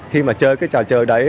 khi mà chơi cái trò chơi đấy